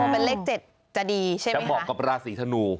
เป็นเลข๗จะดีใช่ไหมจะเหมาะกับราศีธนู